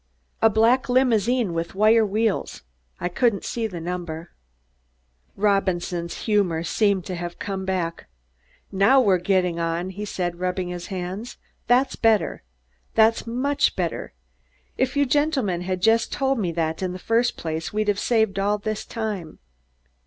"A black limousine with wire wheels. I couldn't see the number." Robinson's humor seemed to have come back. "Now we're getting on," he said, rubbing his hands. "That's better. That's much better. If you gentlemen had just told me that in the first place we'd have saved all this time."